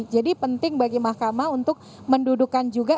jadi penting bagi mahkamah untuk mendudukan juga